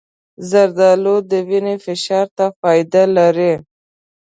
زردالو د وینې فشار ته فایده لري.